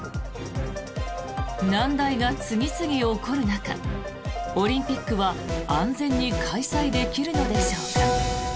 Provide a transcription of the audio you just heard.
難題が次々起こる中オリンピックは安全に開催できるのでしょうか。